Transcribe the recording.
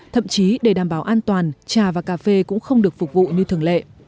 thậm chí để đảm bảo an toàn trà và cà phê cũng không được phục vụ như thường lệ